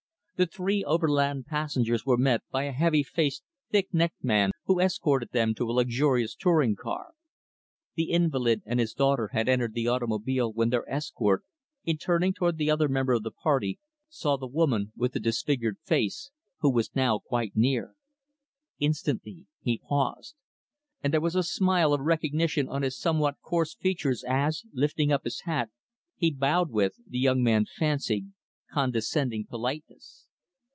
The three Overland passengers were met by a heavy faced thick necked man who escorted them to a luxurious touring car. The invalid and his daughter had entered the automobile when their escort, in turning toward the other member of the party, saw the woman with the disfigured face who was now quite near. Instantly, he paused. And there was a smile of recognition on his somewhat coarse features as, lifting his hat, he bowed with the young man fancied condescending politeness.